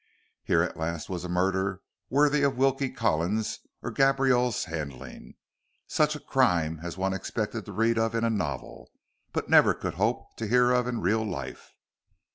Here, at last was a murder worthy of Wilkie Collins's or Gaboriau's handling; such a crime as one expected to read of in a novel, but never could hope to hear of in real life.